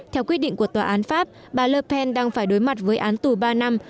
theo quyết định của tòa án pháp bà le pen đang phải đối mặt với án tù ba năm